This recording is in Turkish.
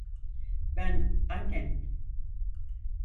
Ben annen.